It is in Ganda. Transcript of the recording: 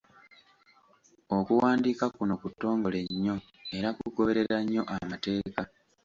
Okuwandiika kuno kutongole nnyo era kugoberera nnyo amateeka.